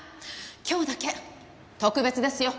今日だけ特別ですよ。